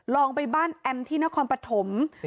ลองไปบ้านแอมที่นครปฐม